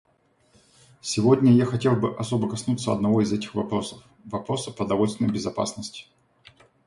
Сегодня я хотел бы особо коснуться одного из этих вопросов, — вопроса продовольственной безопасности.